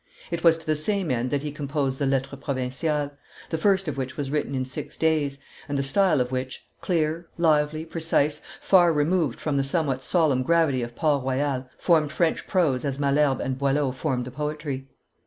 It was to the same end that he composed the Lettres Provinciales, the first of which was written in six days, and the style of which, clear, lively, precise, far removed from the somewhat solemn gravity of Port Royal, formed French prose as Malherbe and Boileau formed the poetry.